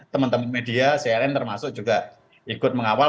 teman teman media cnn termasuk juga ikut mengawal